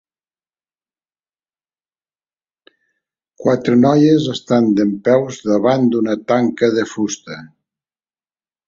Quatre noies estan dempeus davant d'una tanca de fusta.